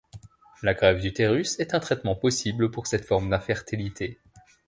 La greffe d'utérus est un traitement possible pour cette forme d'infertilité.